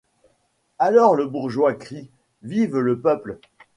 Alors le bourgeois crie : Vive le peuple !